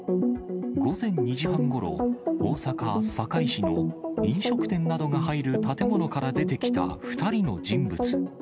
午前２時半ごろ、大阪・堺市の飲食店などが入る建物から出てきた２人の人物。